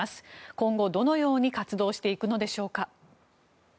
今後、どのように活動していくのでしょうか。